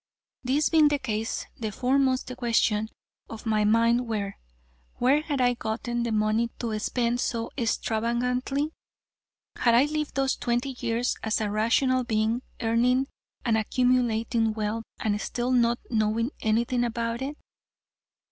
This being the case, the foremost questions of my mind were: Where had I gotten the money to spend so extravagantly? Had I lived those twenty one years as a rational being, earning and accumulating wealth and still not knowing anything about it?